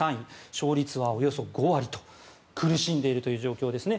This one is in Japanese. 勝率はおよそ５割と苦しんでいる状況ですね。